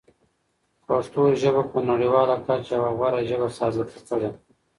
پښتو ژبه په نړیواله کچه یوه غوره ژبه ثابته کړئ.